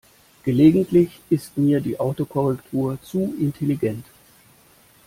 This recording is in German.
Gelegentlich ist mir die Autokorrektur zu intelligent.